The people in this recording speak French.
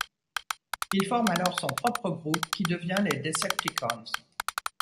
Il forme alors son propre groupe, qui devient les Decepticons.